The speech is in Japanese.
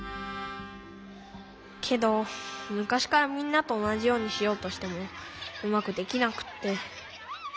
けどむかしからみんなとおなじようにしようとしてもうまくできなくって。